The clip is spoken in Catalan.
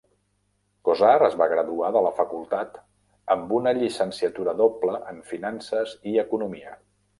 Kosar es va graduar de la facultat amb una llicenciatura doble en finances i economia.